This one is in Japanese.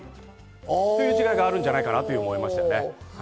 そういう違いがあるんじゃないかなと思いましたね。